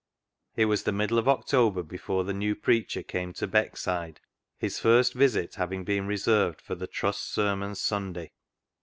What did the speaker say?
It was the middle of October before the new preacher came to Beckside, his first visit having been reserved for the " Trust Sermons " Sunday.